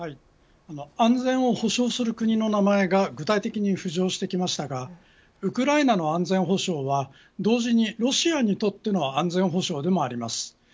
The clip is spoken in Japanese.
安全を保障する国の名前が具体的に浮上してきましたがウクライナの安全保障は同時にロシアにとっての安全保障でもあります。